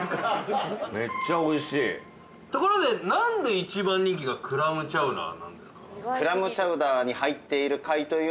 めっちゃおいしいところでなんで一番人気がクラムチャウダーなんですか？